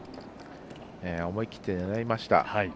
思い切って狙いました。